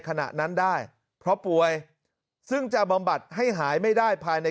ขณะนั้นได้เพราะป่วยซึ่งจะบำบัดให้หายไม่ได้ภายใน